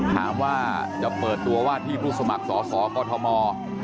ถามว่าจะเปิดตัวว่าที่ผู้สมัครสอสอกอทม